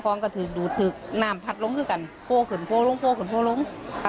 ปูขึ้นปูลงปูขึ้นปูลง